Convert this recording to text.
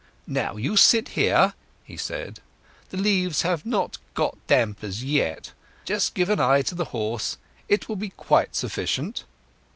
"Now, you sit there," he said. "The leaves have not got damp as yet. Just give an eye to the horse—it will be quite sufficient."